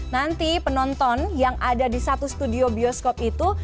nanti penonton yang ada di satu studio bioskop itu